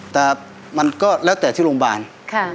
แต่มันก็แล้วแต่ที่โรงพยาบาล